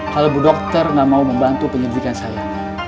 kalau bu dokter gak mau membantu penyelidikan saya